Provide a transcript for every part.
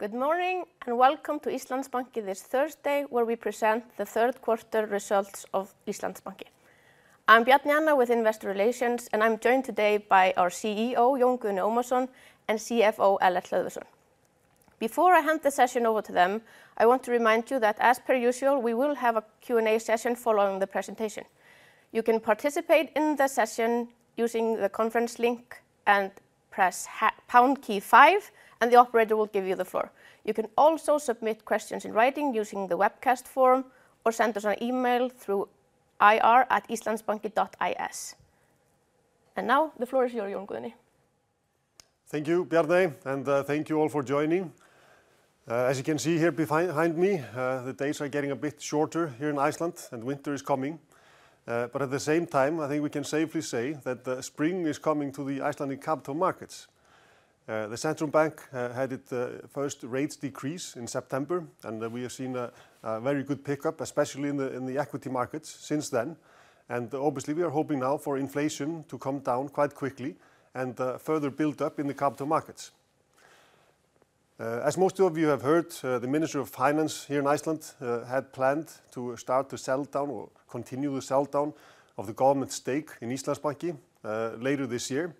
Good morning, and welcome to Íslandsbanki this Thursday, where we present the third quarter results of Íslandsbanki. I'm Bjarney Anna with Investor Relations, and I'm joined today by our CEO, Jón Guðni Ómarsson, and CFO, Ellert Hlöðversson. Before I hand the session over to them, I want to remind you that, as per usual, we will have a Q&A session following the presentation. You can participate in the session using the conference link and press pound key five, and the operator will give you the floor. You can also submit questions in writing using the webcast form, or send us an email through ir@islandsbanki.is. And now, the floor is yours, Jón Guðni. Thank you, Bjarney, and thank you all for joining. As you can see here behind me, the days are getting a bit shorter here in Iceland, and winter is coming. But at the same time, I think we can safely say that the spring is coming to the Icelandic capital markets. The Central Bank had its first rates decrease in September, and we have seen a very good pickup, especially in the equity markets since then. Obviously, we are hoping now for inflation to come down quite quickly and further build up in the capital markets. As most of you have heard, the Minister of Finance here in Iceland had planned to start to sell down or continue the sell down of the government's stake in Íslandsbanki later this year.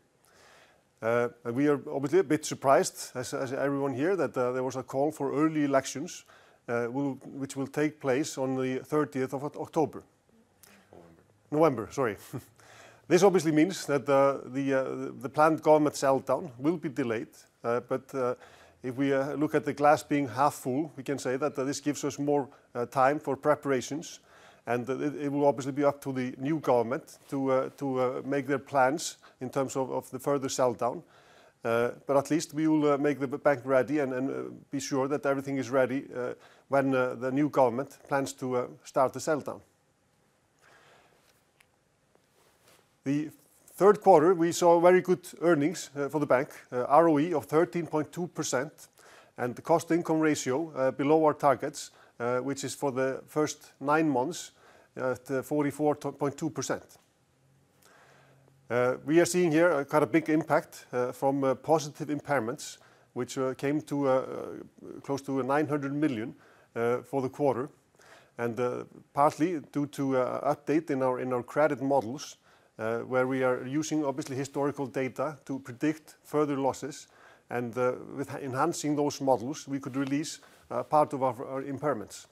And we are obviously a bit surprised, as everyone here, that there was a call for early elections, which will take place on the 30th of October. November, sorry. This obviously means that the planned government sell down will be delayed. But if we look at the glass being half full, we can say that this gives us more time for preparations, and it will obviously be up to the new government to make their plans in terms of the further sell down. But at least we will make the bank ready and then be sure that everything is ready when the new government plans to start the sell down. The third quarter, we saw very good earnings for the bank. ROE of 13.2%, and the cost income ratio below our targets, which is for the first nine months at 44.2%. We are seeing here a kind of big impact from positive impairments, which came to close to 900 million for the quarter, and partly due to an update in our credit models, where we are using obviously historical data to predict further losses, and with enhancing those models, we could release part of our impairments.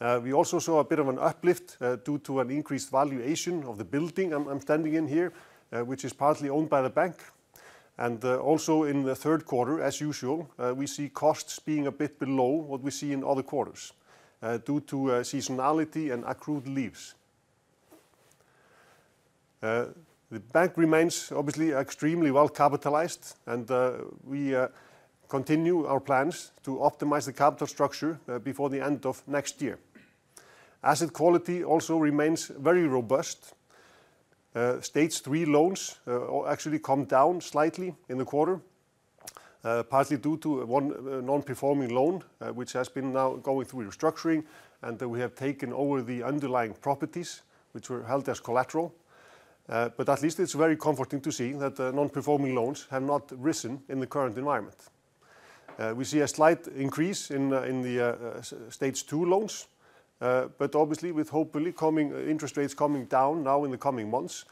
We also saw a bit of an uplift due to an increased valuation of the building I'm standing in here, which is partly owned by the bank. Also in the third quarter, as usual, we see costs being a bit below what we see in other quarters due to a seasonality and accrued leaves. The bank remains obviously extremely well capitalized, and we continue our plans to optimize the capital structure before the end of next year. Asset quality also remains very robust. Stage 3 loans actually come down slightly in the quarter, partly due to one non-performing loan, which has been now going through restructuring, and then we have taken over the underlying properties, which were held as collateral, but at least it's very comforting to see that the non-performing loans have not risen in the current environment. We see a slight increase in the Stage 2 loans, but obviously, with hopefully coming interest rates coming down now in the coming months,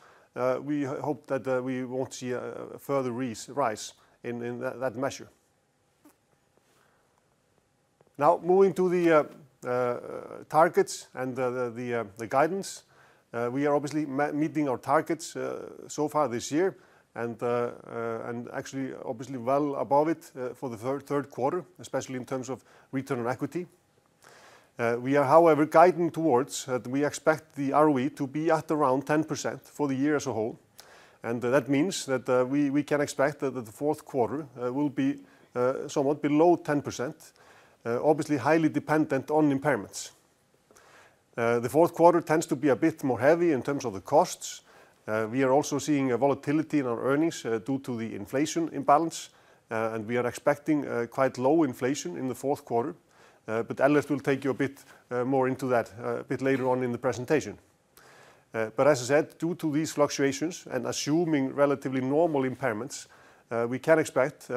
we hope that we won't see a further rise in that measure. Now, moving to the targets and the guidance. We are obviously meeting our targets so far this year, and actually, obviously, well above it for the third quarter, especially in terms of return on equity. We are, however, guiding towards that we expect the ROE to be at around 10% for the year as a whole, and that means that we can expect that the fourth quarter will be somewhat below 10%, obviously highly dependent on impairments. The fourth quarter tends to be a bit more heavy in terms of the costs. We are also seeing a volatility in our earnings due to the inflation imbalance, and we are expecting quite low inflation in the fourth quarter. But Ellert will take you a bit more into that a bit later on in the presentation. But as I said, due to these fluctuations and assuming relatively normal impairments, we can expect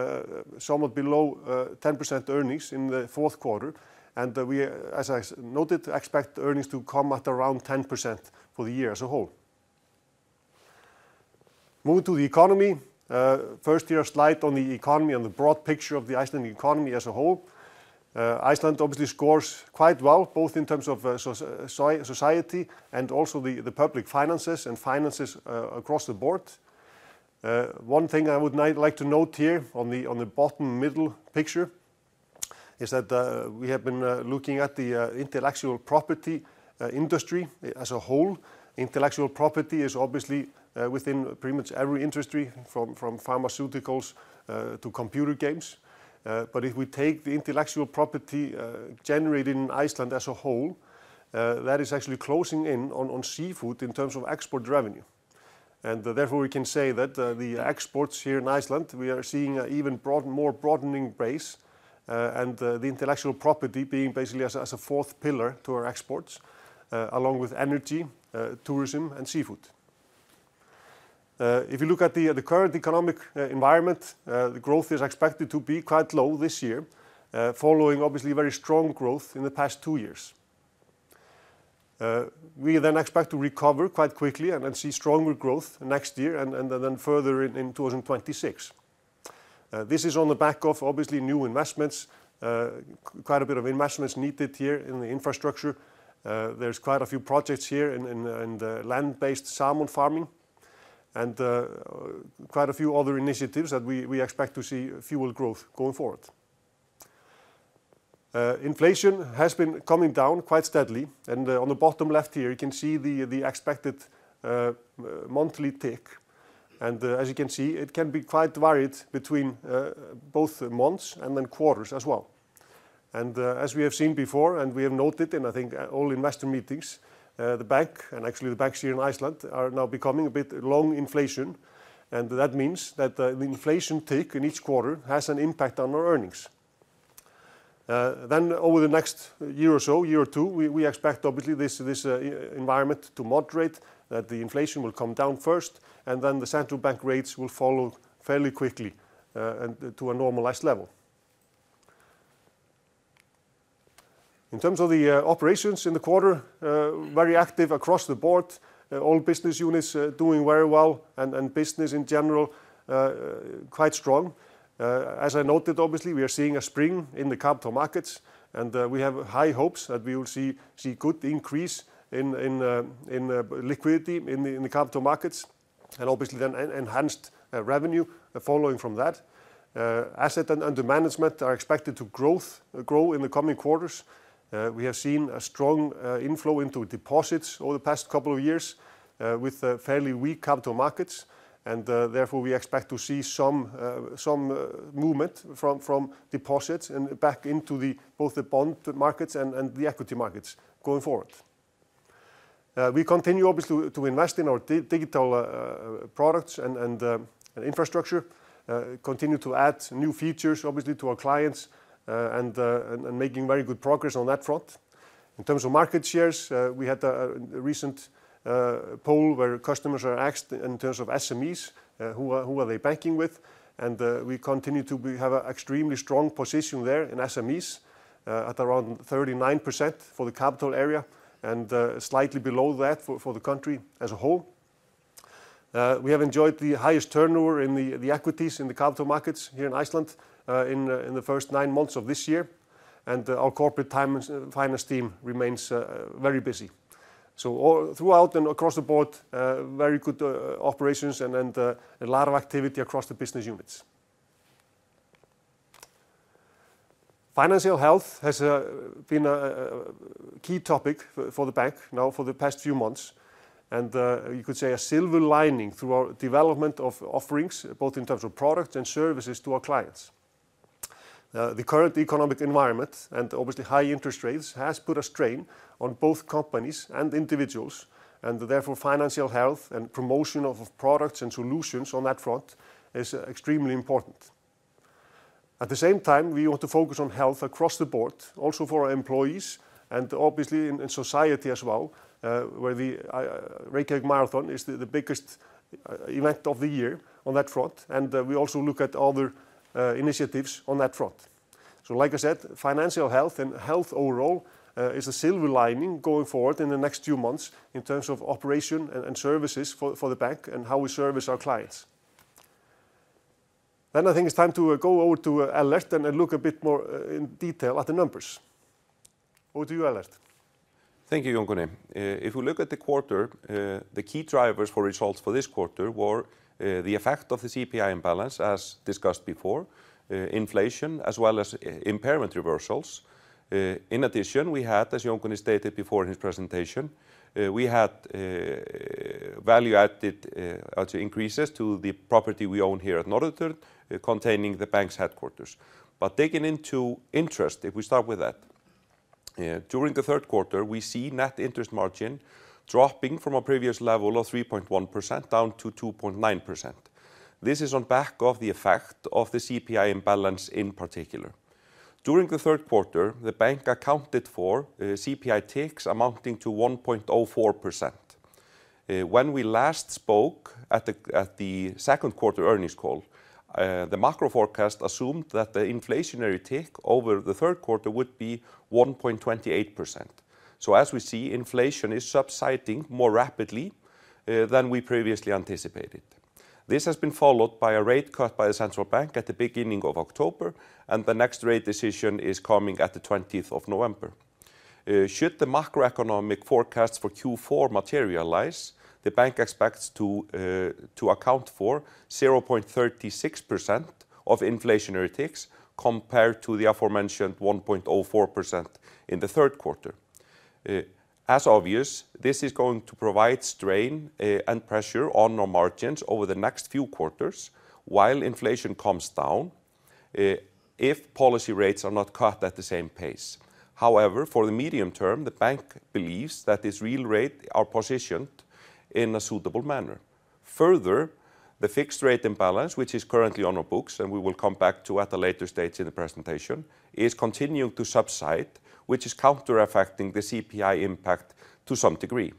somewhat below 10% earnings in the fourth quarter, and we, as I noted, expect earnings to come at around 10% for the year as a whole. Moving to the economy, first, here a slide on the economy and the broad picture of the Icelandic economy as a whole. Iceland obviously scores quite well, both in terms of society and also the public finances and finances across the board. One thing I would like to note here on the bottom middle picture is that we have been looking at the intellectual property industry as a whole. Intellectual property is obviously within pretty much every industry, from pharmaceuticals to computer games. But if we take the intellectual property generated in Iceland as a whole, that is actually closing in on seafood in terms of export revenue. Therefore, we can say that the exports here in Iceland, we are seeing an even broader, more broadening base, and the intellectual property being basically as a fourth pillar to our exports, along with energy, tourism, and seafood. If you look at the current economic environment, the growth is expected to be quite low this year, following obviously very strong growth in the past two years. We then expect to recover quite quickly and then see stronger growth next year, and then further in 2026. This is on the back of, obviously, new investments. Quite a bit of investment is needed here in the infrastructure. There's quite a few projects here in the land-based salmon farming, and quite a few other initiatives that we expect to see fuel growth going forward. Inflation has been coming down quite steadily, and on the bottom left here, you can see the expected monthly tick. And as you can see, it can be quite varied between both months and then quarters as well. And as we have seen before, and we have noted in, I think, all investor meetings, the bank, and actually the banks here in Iceland, are now becoming a bit long inflation, and that means that the inflation tick in each quarter has an impact on our earnings. Then over the next year or so, year or two, we expect, obviously, this environment to moderate, that the inflation will come down first, and then the central bank rates will follow fairly quickly, and to a normalized level. In terms of the operations in the quarter, very active across the board. All business units are doing very well, and business in general quite strong. As I noted, obviously, we are seeing a spring in the capital markets, and we have high hopes that we will see good increase in liquidity in the capital markets and obviously then enhanced revenue following from that. Assets under management are expected to grow in the coming quarters. We have seen a strong inflow into deposits over the past couple of years, with fairly weak capital markets, and therefore, we expect to see some movement from deposits and back into both the bond markets and the equity markets going forward. We continue, obviously, to invest in our digital products and infrastructure. Continue to add new features, obviously, to our clients, and making very good progress on that front. In terms of market shares, we had a recent poll where customers were asked in terms of SMEs, who are they banking with, and we continue to be... have an extremely strong position there in SMEs at around 39% for the capital area and slightly below that for the country as a whole. We have enjoyed the highest turnover in the equities in the capital markets here in Iceland in the first nine months of this year, and our corporate finance team remains very busy. So all throughout and across the board very good operations and then a lot of activity across the business units. Financial health has been a key topic for the bank now for the past few months, and you could say a silver lining through our development of offerings, both in terms of products and services to our clients. The current economic environment and obviously high interest rates has put a strain on both companies and individuals, and therefore, financial health and promotion of products and solutions on that front is extremely important. At the same time, we want to focus on health across the board, also for our employees and obviously in society as well, where the Reykjavik Marathon is the biggest event of the year on that front, and we also look at other initiatives on that front, so like I said, financial health and health overall is a silver lining going forward in the next few months in terms of operation and services for the bank and how we service our clients, then I think it's time to go over to Ellert and look a bit more in detail at the numbers. Over to you, Ellert. Thank you, Jón Guðni. If you look at the quarter, the key drivers for results for this quarter were the effect of the CPI imbalance, as discussed before, inflation, as well as impairment reversals. In addition, we had, as Jón Guðni stated before in his presentation, value added, actually increases to the property we own here at Norðurturn, containing the bank's headquarters. But taking into interest, if we start with that, during the third quarter, we see net interest margin dropping from a previous level of 3.1% down to 2.9%. This is on back of the effect of the CPI imbalance in particular. During the third quarter, the bank accounted for CPI ticks amounting to 1.04%. When we last spoke at the second quarter earnings call, the macro forecast assumed that the inflationary tick over the third quarter would be 1.28%. As we see, inflation is subsiding more rapidly than we previously anticipated. This has been followed by a rate cut by the Central Bank at the beginning of October, and the next rate decision is coming at the twentieth of November. Should the macroeconomic forecast for Q4 materialize, the bank expects to account for 0.36% of inflationary ticks, compared to the aforementioned 1.04% in the third quarter. As obvious, this is going to provide strain and pressure on our margins over the next few quarters while inflation comes down, if policy rates are not cut at the same pace. However, for the medium term, the bank believes that its real rates are positioned in a suitable manner. Further, the fixed rate imbalance, which is currently on our books, and we will come back to at a later stage in the presentation, is continuing to subside, which is counter-affecting the CPI impact to some degree.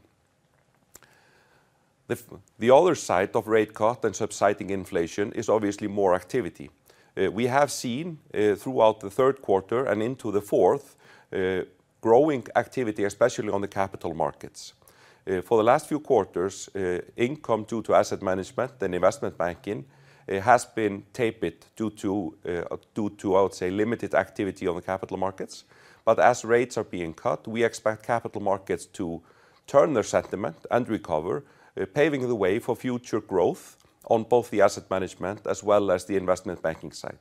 The other side of rate cut and subsiding inflation is obviously more activity. We have seen throughout the third quarter and into the fourth growing activity, especially on the capital markets. For the last few quarters, income due to asset management and investment banking has been tapered due to, I would say, limited activity on the capital markets. But as rates are being cut, we expect capital markets to turn their sentiment and recover, paving the way for future growth on both the asset management as well as the investment banking side.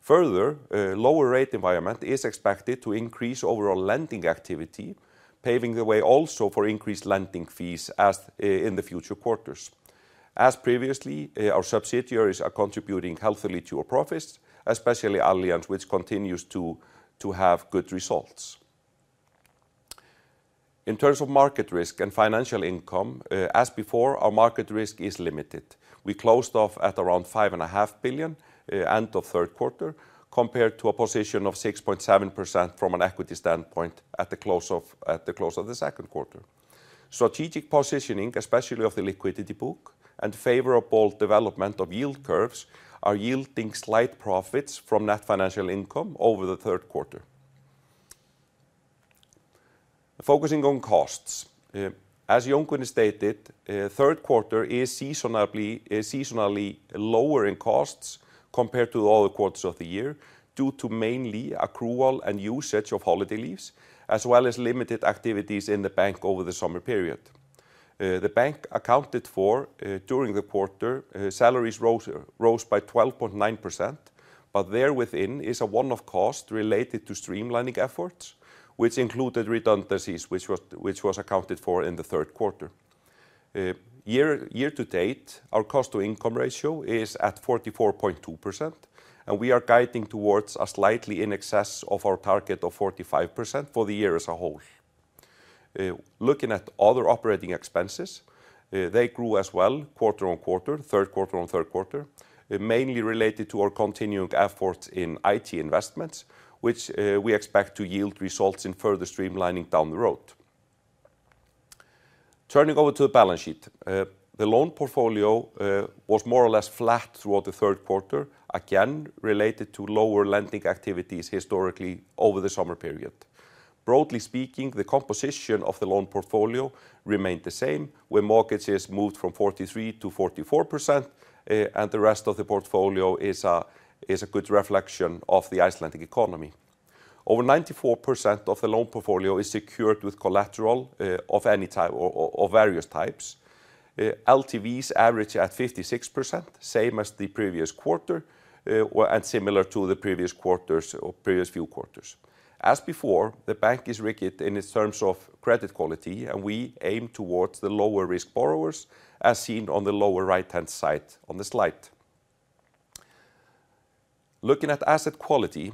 Further, a lower rate environment is expected to increase overall lending activity, paving the way also for increased lending fees as in the future quarters. As previously, our subsidiaries are contributing healthily to our profits, especially Allianz, which continues to have good results. In terms of market risk and financial income, as before, our market risk is limited. We closed off at around 5.5 billion end of third quarter, compared to a position of 6.7% from an equity standpoint at the close of the second quarter. Strategic positioning, especially of the liquidity book, and favorable development of yield curves, are yielding slight profits from net financial income over the third quarter. Focusing on costs, as Jón Guðni stated, third quarter is seasonally lower in costs compared to other quarters of the year, due to mainly accrual and usage of holiday leaves, as well as limited activities in the bank over the summer period. The bank accounted for, during the quarter, salaries rose by 12.9%, but there within is a one-off cost related to streamlining efforts, which included redundancies, which was accounted for in the third quarter. Year-to-date, our cost-to-income ratio is at 44.2%, and we are guiding towards a slightly in excess of our target of 45% for the year as a whole. Looking at other operating expenses, they grew as well, quarter on quarter, third quarter on third quarter, mainly related to our continuing efforts in IT investments, which we expect to yield results in further streamlining down the road. Turning over to the balance sheet. The loan portfolio was more or less flat throughout the third quarter, again, related to lower lending activities historically over the summer period. Broadly speaking, the composition of the loan portfolio remained the same, where mortgages moved from 43%-44%, and the rest of the portfolio is a good reflection of the Icelandic economy. Over 94% of the loan portfolio is secured with collateral of any type or of various types. LTVs average at 56%, same as the previous quarter, and similar to the previous quarters or previous few quarters. As before, the bank is rigid in its terms of credit quality, and we aim towards the lower risk borrowers, as seen on the lower right-hand side on the slide. Looking at asset quality,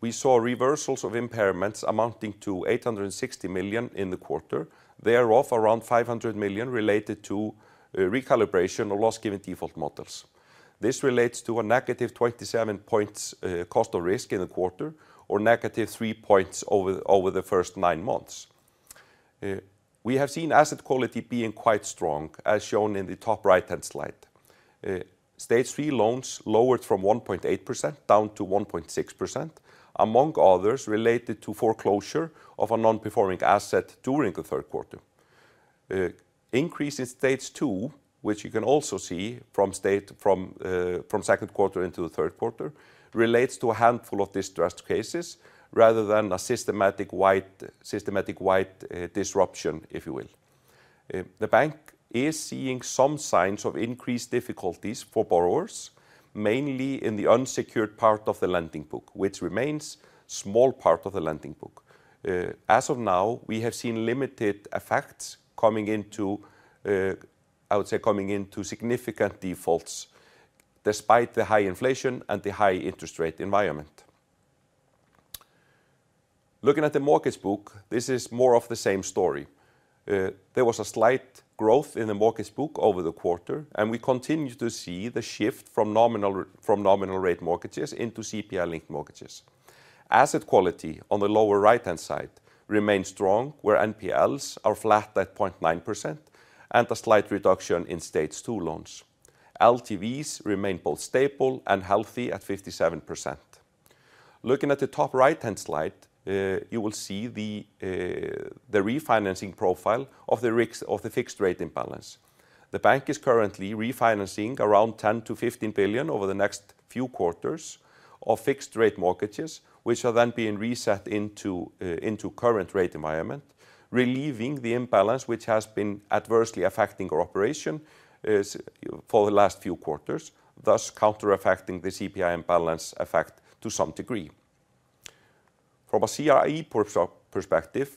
we saw reversals of impairments amounting to 860 million in the quarter. Thereof, around 500 million related to recalibration of loss given default models. This relates to a -27 points cost of risk in the quarter, or -3 points over the first nine months. We have seen asset quality being quite strong, as shown in the top right-hand slide. Stage 3 loans lowered from 1.8% down to 1.6%, among others, related to foreclosure of a non-performing asset during the third quarter. Increase in Stage 2, which you can also see from second quarter into the third quarter, relates to a handful of distressed cases, rather than a system-wide disruption, if you will. The bank is seeing some signs of increased difficulties for borrowers, mainly in the unsecured part of the lending book, which remains small part of the lending book. As of now, we have seen limited effects, I would say, coming into significant defaults, despite the high inflation and the high interest rate environment. Looking at the mortgage book, this is more of the same story. There was a slight growth in the mortgage book over the quarter, and we continue to see the shift from nominal rate mortgages into CPI-linked mortgages. Asset quality on the lower right-hand side remains strong, where NPLs are flat at 0.9% and a slight reduction in Stage 2 loans. LTVs remain both stable and healthy at 57%. Looking at the top right-hand slide, you will see the refinancing profile of the fixed rate imbalance. The bank is currently refinancing around 10 billion-15 billion over the next few quarters of fixed rate mortgages, which are then being reset into current rate environment, relieving the imbalance, which has been adversely affecting our operations for the last few quarters, thus counter-affecting the CPI imbalance effect to some degree. From a CRE perspective,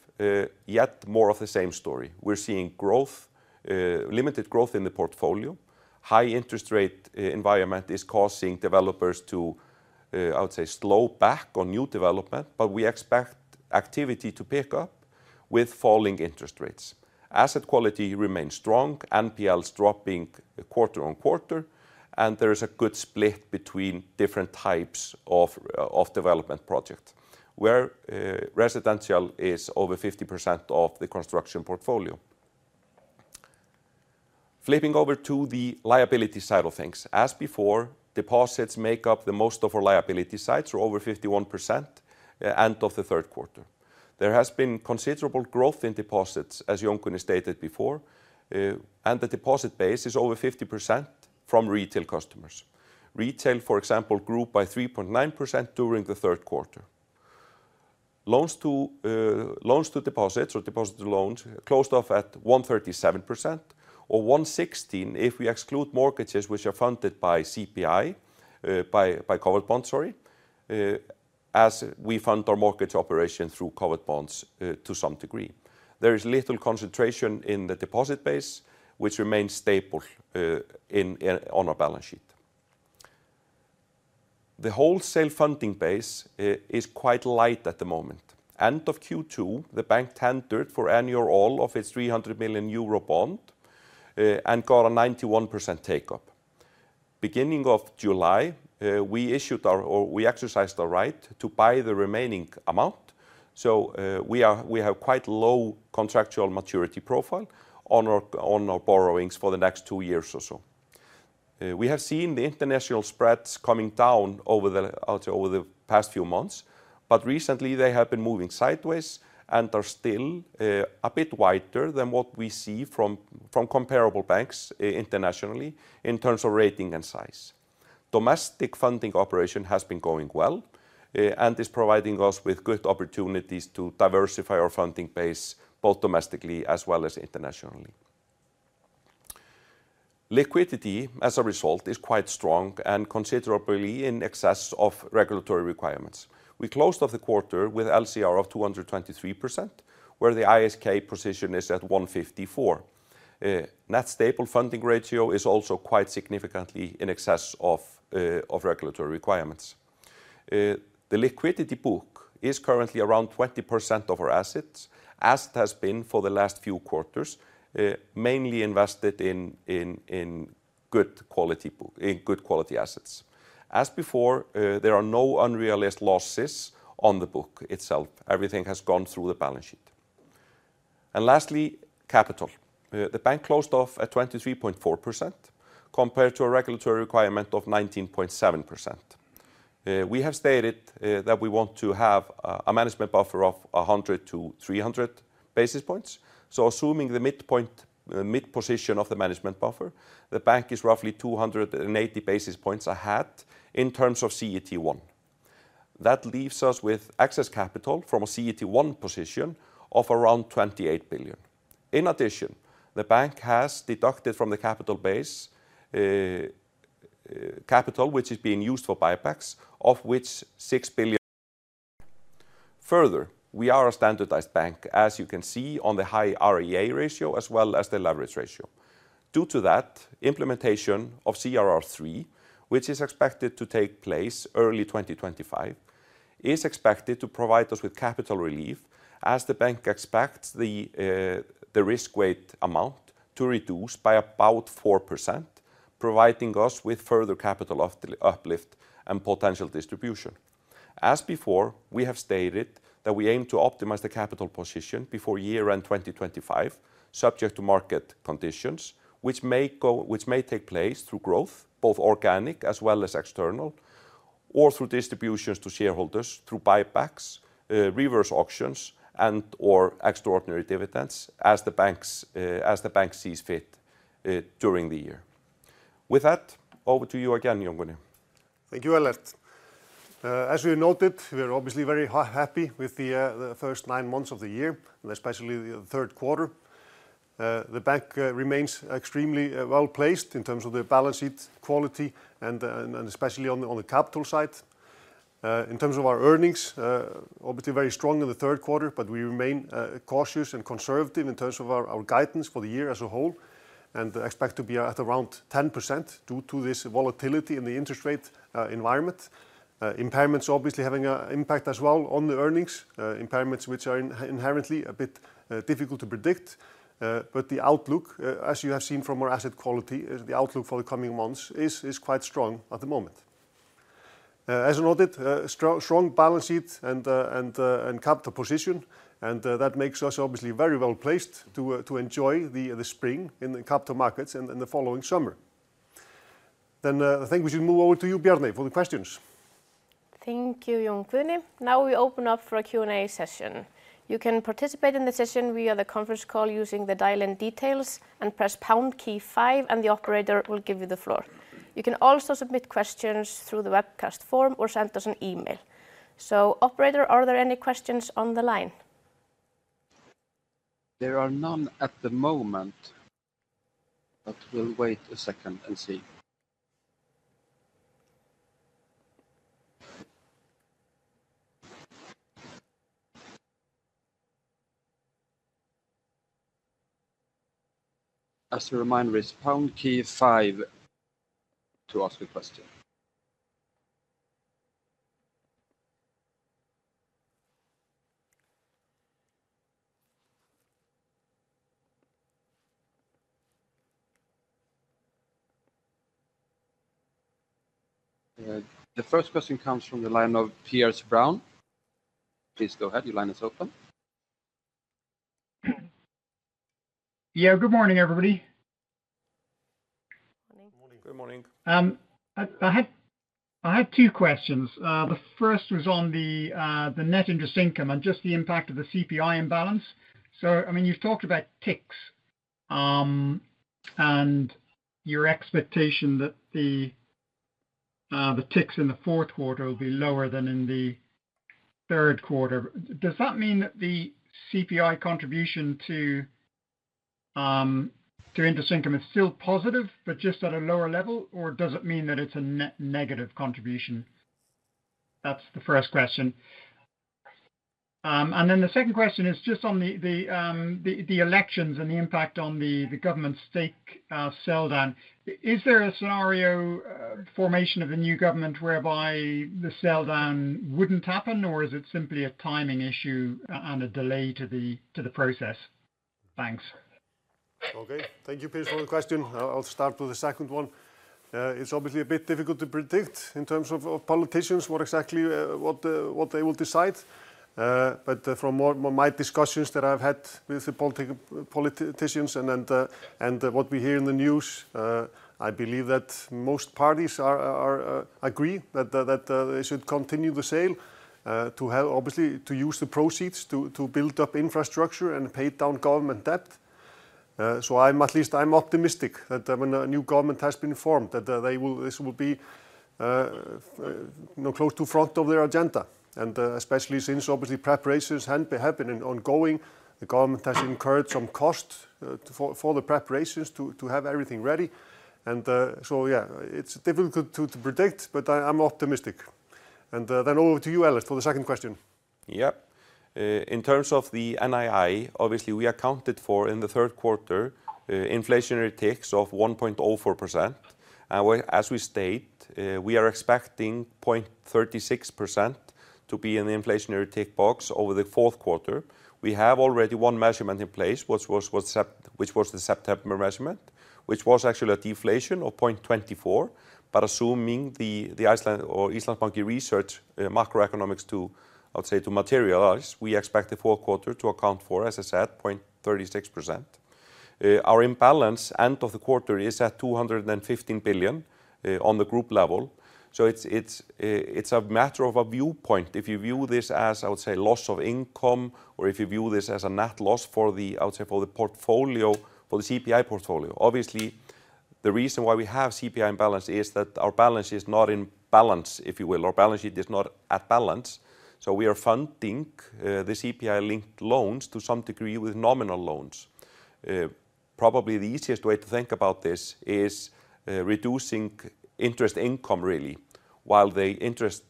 yet more of the same story. We're seeing growth, limited growth in the portfolio. High interest rate environment is causing developers to, I would say, slow back on new development, but we expect activity to pick up with falling interest rates. Asset quality remains strong, NPLs dropping quarter on quarter, and there is a good split between different types of development project, where residential is over 50% of the construction portfolio. Flipping over to the liability side of things. As before, deposits make up the most of our liability sides, so over 51% end of the third quarter. There has been considerable growth in deposits, as Jón Guðni stated before, and the deposit base is over 50% from retail customers. Retail, for example, grew by 3.9% during the third quarter. Loans to deposits or deposits to loans closed off at 137%, or 116% if we exclude mortgages which are funded by CPI by covered bonds, sorry, as we fund our mortgage operation through covered bonds to some degree. There is little concentration in the deposit base, which remains stable on our balance sheet. The wholesale funding base is quite light at the moment. End of Q2, the bank tendered for any and all of its 300 million euro bond and got a 91% take-up. Beginning of July, we exercised our right to buy the remaining amount, so we have quite low contractual maturity profile on our borrowings for the next two years or so. We have seen the international spreads coming down over the past few months, but recently they have been moving sideways and are still a bit wider than what we see from comparable banks internationally in terms of rating and size. Domestic funding operation has been going well, and is providing us with good opportunities to diversify our funding base, both domestically as well as internationally. Liquidity, as a result, is quite strong and considerably in excess of regulatory requirements. We closed off the quarter with LCR of 223%, where the ISK position is at 154%. Net stable funding ratio is also quite significantly in excess of regulatory requirements. The liquidity book is currently around 20% of our assets, as it has been for the last few quarters, mainly invested in good quality bonds, in good quality assets. As before, there are no unrealized losses on the book itself. Everything has gone through the balance sheet. Lastly, capital. The bank closed off at 23.4% compared to a regulatory requirement of 19.7%. We have stated that we want to have a management buffer of 100 basis points-300 basis points. So assuming the midpoint, mid position of the management buffer, the bank is roughly 280 basis points ahead in terms of CET1. That leaves us with excess capital from a CET1 position of around 28 billion. In addition, the bank has deducted from the capital base capital, which is being used for buybacks, of which 6 billion. Further, we are a standardized bank, as you can see on the high REA ratio, as well as the leverage ratio. Due to that, implementation of CRR3, which is expected to take place early 2025, is expected to provide us with capital relief as the bank expects the risk weight amount to reduce by about 4%, providing us with further capital uplift and potential distribution. As before, we have stated that we aim to optimize the capital position before year-end 2025, subject to market conditions, which may take place through growth, both organic as well as external, or through distributions to shareholders through buybacks, reverse auctions, and/or extraordinary dividends, as the bank sees fit, during the year. With that, over to you again, Jón Guðni. Thank you, Ellert. As we noted, we are obviously very happy with the first nine months of the year, and especially the third quarter. The bank remains extremely well-placed in terms of the balance sheet quality and especially on the capital side. In terms of our earnings, obviously very strong in the third quarter, but we remain cautious and conservative in terms of our guidance for the year as a whole, and expect to be at around 10% due to this volatility in the interest rate environment. Impairments obviously having an impact as well on the earnings, impairments which are inherently a bit difficult to predict. But the outlook, as you have seen from our asset quality, the outlook for the coming months is quite strong at the moment. As noted, strong balance sheet and capital position, and that makes us obviously very well placed to enjoy the spring in the capital markets in the following summer. Then, I think we should move over to you, Bjarney, for the questions. Thank you, Jón Guðni. Now we open up for a Q&A session. You can participate in the session via the conference call using the dial-in details and press pound key five, and the operator will give you the floor. You can also submit questions through the webcast form or send us an email. So, Operator, are there any questions on the line? There are none at the moment, but we'll wait a second and see. As a reminder, it's pound key five to ask a question. The first question comes from the line of Piers Brown. Please go ahead, your line is open. Yeah, good morning, everybody. Morning. Good morning. I had two questions. The first was on the net interest income and just the impact of the CPI imbalance. So, I mean, you've talked about ticks, and your expectation that the ticks in the fourth quarter will be lower than in the third quarter. Does that mean that the CPI contribution to interest income is still positive but just at a lower level, or does it mean that it's a negative contribution? That's the first question. And then the second question is just on the elections and the impact on the government's stake sell down. Is there a scenario formation of a new government whereby the sell down wouldn't happen, or is it simply a timing issue and a delay to the process? Thanks. Okay, thank you, Piers, for the question. I'll start with the second one. It's obviously a bit difficult to predict in terms of politicians, what exactly they will decide. But from my discussions that I've had with the politicians and what we hear in the news, I believe that most parties agree that they should continue the sale. To have... Obviously, to use the proceeds to build up infrastructure and pay down government debt. So I'm at least optimistic that when a new government has been formed, they will. This will be, you know, close to front of their agenda, and especially since obviously preparations have been ongoing. The government has incurred some cost for the preparations to have everything ready. And so yeah, it's difficult to predict, but I'm optimistic. And then over to you, Ellert, for the second question. Yeah. In terms of the NII, obviously, we accounted for in the third quarter inflationary ticks of 1.04%. And as we state, we are expecting 0.36% to be in the inflationary tick box over the fourth quarter. We have already one measurement in place, which was the September measurement, which was actually a deflation of 0.24%. But assuming the Íslandsbanki research macroeconomics to, I would say, to materialize, we expect the fourth quarter to account for, as I said, 0.36%. Our imbalance end of the quarter is at 215 billion on the group level. So it's a matter of a viewpoint. If you view this as, I would say, loss of income, or if you view this as a net loss for the, I would say, for the portfolio, for the CPI portfolio. Obviously, the reason why we have CPI imbalance is that our balance is not in balance, if you will. Our balance sheet is not at balance, so we are funding the CPI-linked loans to some degree with nominal loans. Probably the easiest way to think about this is reducing interest income, really, while the interest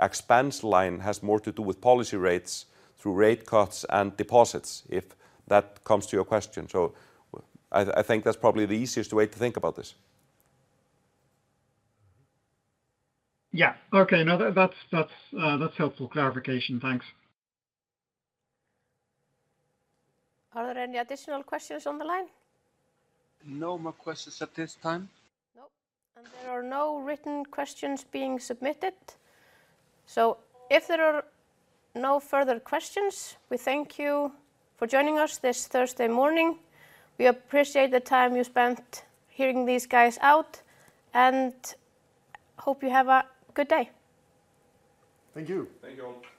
expense line has more to do with policy rates through rate cuts and deposits, if that comes to your question. So I, I think that's probably the easiest way to think about this. Yeah. Okay. No, that's helpful clarification. Thanks. Are there any additional questions on the line? No more questions at this time. Nope, and there are no written questions being submitted. So if there are no further questions, we thank you for joining us this Thursday morning. We appreciate the time you spent hearing these guys out, and hope you have a good day. Thank you. Thank you all.